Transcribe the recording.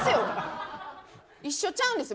一緒ちゃうんですよ。